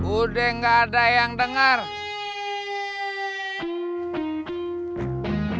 udah gak ada yang dengar